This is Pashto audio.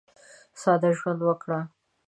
ساده ژوند وکړه.